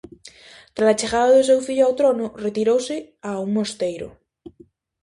Trala chegada do seu fillo ao trono, retirouse a un mosteiro.